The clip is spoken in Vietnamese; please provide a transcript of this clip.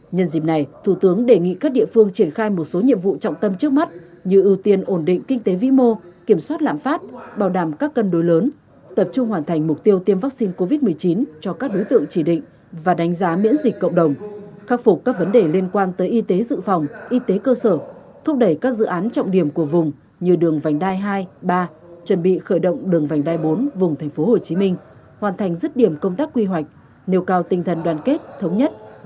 nhân dịp này thủ tướng đề nghị các địa phương triển khai một số nhiệm vụ trọng tâm trước mắt như ưu tiên ổn định kinh tế vĩ mô kiểm soát lãm phát bảo đảm các cân đối lớn tập trung hoàn thành mục tiêu tiêm vaccine covid một mươi chín cho các đối tượng chỉ định và đánh giá miễn dịch cộng đồng khắc phục các vấn đề liên quan tới y tế dự phòng y tế cơ sở thúc đẩy các dự án trọng điểm của vùng như đường vành đai hai ba chuẩn bị khởi động đường vành đai bốn vùng tp hcm hoàn thành dứt điểm công tác quy hoạch